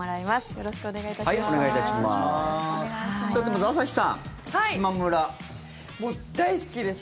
よろしくお願いします。